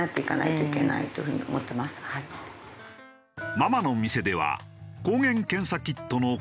ママの店では抗原検査キットの購入